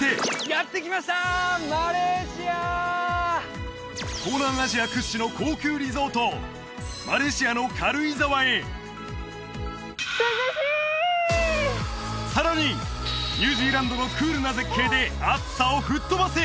続いて東南アジア屈指の高級リゾートマレーシアの軽井沢へさらにニュージーランドのクールな絶景で暑さを吹っ飛ばせ！